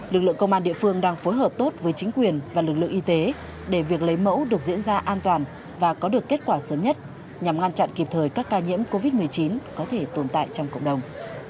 lực lượng công an địa phương đang phối hợp tốt với chính quyền và lực lượng y tế để việc lấy mẫu được diễn ra an toàn và có được kết quả sớm nhất nhằm ngăn chặn kịp thời các ca nhiễm covid một mươi chín có thể tồn tại trong cộng đồng